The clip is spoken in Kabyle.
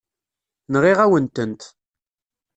Nɣiɣ-awen-tent.